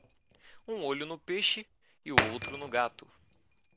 Um olho no peixe e o outro no gato.